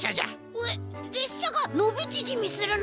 えっれっしゃがのびちぢみするの？